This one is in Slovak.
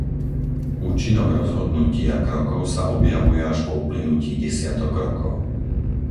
Účinok rozhodnutí a krokov sa objavuje až po uplynutí desiatok rokov.